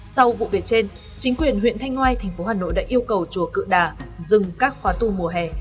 sau vụ việc trên chính quyền huyện thanh ngoai tp hà nội đã yêu cầu chùa cự đà dừng các khóa tu mùa hè